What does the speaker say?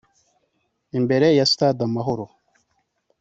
imbere ya Stade Amahoro